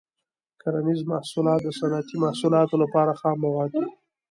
کرنیز محصولات د صنعتي محصولاتو لپاره خام مواد دي.